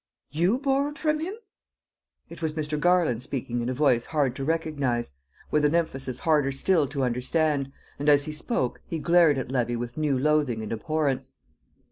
"You borrowed from him?" It was Mr. Garland speaking in a voice hard to recognise, with an emphasis harder still to understand; and as he spoke he glared at Levy with new loathing and abhorrence.